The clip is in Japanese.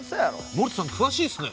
森田さん詳しいっすね。